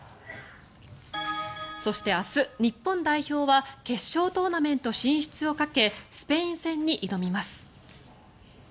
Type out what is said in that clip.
そして、明日、日本代表は決勝トーナメント進出をかけスペイン戦に挑みます。